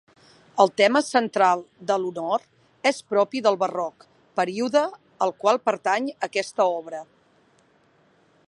El tema central de l'honor és propi del barroc, període al qual pertany aquesta obra.